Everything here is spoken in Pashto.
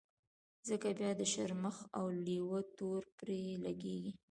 ځکه بيا د شرمښ او لېوه تور پرې لګېږي.